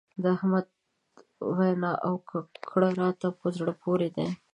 د احمد وينا او کړه راته په زړه پورې دي.